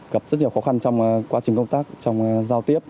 gặp rất nhiều khó khăn trong quá trình công tác trong giao tiếp